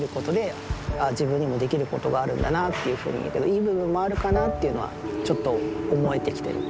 いい部分もあるかなっていうのはちょっと思えてきてる。